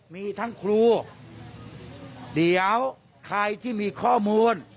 มีทั้งครูเดี๋ยวใครที่มีข้อมูล